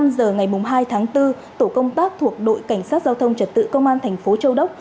một mươi năm h ngày hai tháng bốn tổ công tác thuộc đội cảnh sát giao thông trật tự công an tp châu đốc